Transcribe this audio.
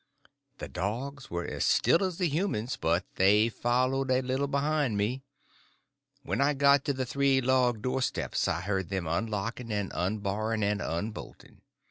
The dogs were as still as the humans, but they followed a little behind me. When I got to the three log doorsteps I heard them unlocking and unbarring and unbolting.